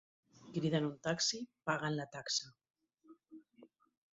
Criden un taxi, paguen la taxa.